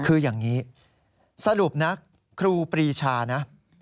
คืออย่างนี้สรุปนะครูปรีชานะ